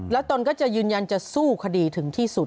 แล้วตนก็จะยืนยันจะสู้คดีถึงที่สุด